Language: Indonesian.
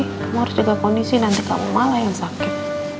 kamu harus jaga kondisi nanti kamu malah yang sakit